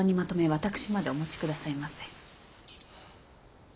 私までお持ち下さいませ。